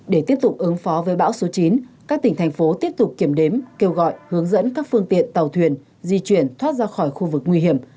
để tiếp tục ứng phó với bão số chín các tỉnh thành phố tiếp tục kiểm đếm kêu gọi hướng dẫn các phương tiện tàu thuyền di chuyển thoát ra khỏi khu vực nguy hiểm